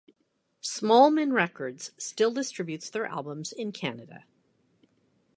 Smallman Records still distributes their albums in Canada.